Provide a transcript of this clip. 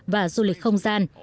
và du lịch không gian